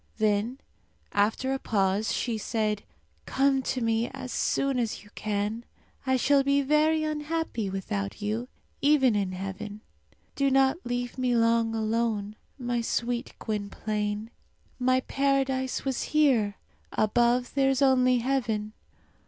Then, after a pause, she said, "Come to me as soon as you can. I shall be very unhappy without you, even in heaven. Do not leave me long alone, my sweet Gwynplaine! My paradise was here; above there is only heaven!